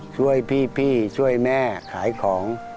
ช่วยพี่ช่วยแม่ขายของ